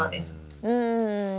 うん。